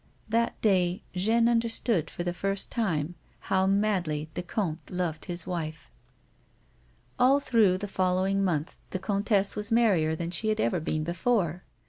That day Jeanne understood, for the first time, how madly the comte loved his wife. All through the following month the comtesse was merrier than she had ever been before.